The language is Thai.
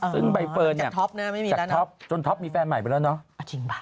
ซึ่งใบเฟิร์นจนท็อปมีแฟนใหม่ไปแล้วเนาะ